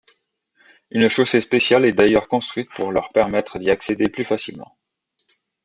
Une chaussée spéciale est d'ailleurs construite pour leur permettre d'y accéder plus facilement.